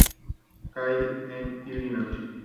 Clair, en Illinois.